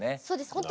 そうです。